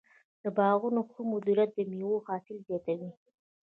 د باغونو ښه مدیریت د مېوو حاصل زیاتوي.